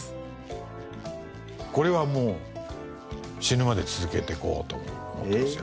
これはもう死ぬまで続けていこうと思ってますよ。